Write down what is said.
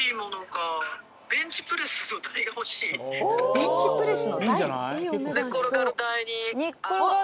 ベンチプレスの台？